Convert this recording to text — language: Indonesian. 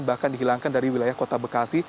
bahkan dihilangkan dari wilayah kota bekasi